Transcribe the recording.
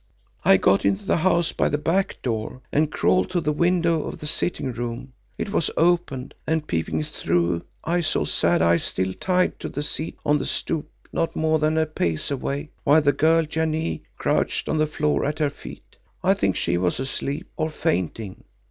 I got into the house by the back door and crawled to the window of the sitting room. It was open and peeping through I saw Sad Eyes still tied to the seat on the stoep not more than a pace away, while the girl Janee crouched on the floor at her feet—I think she was asleep or fainting.